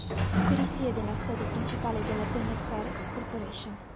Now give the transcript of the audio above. Qui risiede la sede principale dell'azienda Xerox Corporation.